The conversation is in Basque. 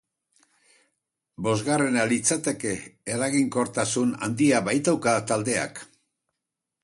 Bosgarrena litzateke, eraginkortasun handia baitauka taldeak.